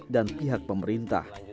dan pihak pemerintah